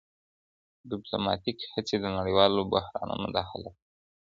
ډيپلوماتيکي هڅي د نړیوالو بحرانونو د حل لپاره دي.